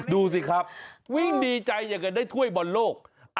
ดูสิครับวิ่งดีใจอยากจะได้ถ้วยบอลโลก